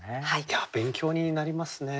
勉強になりますね